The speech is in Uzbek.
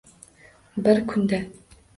Bir kunda